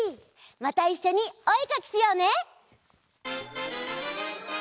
またいっしょにおえかきしようね！